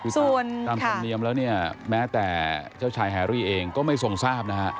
ส่วนตามธรรมเนียมแล้วเนี่ยแม้แต่เจ้าชายแฮรี่เองก็ไม่ทรงทราบนะฮะ